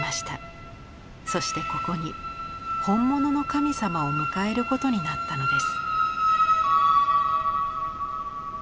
そしてここに本物の神様を迎えることになったのです。